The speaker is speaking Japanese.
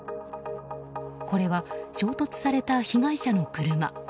これは衝突された被害者の車。